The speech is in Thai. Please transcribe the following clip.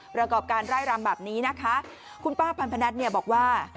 ประกอบการไล่รำแบบนี้นะคะคุณป้าพันธนัทเนี่ยบอกว่า